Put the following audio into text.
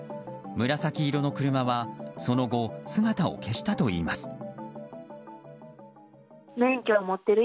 紫色の車はその後姿を消したといいます。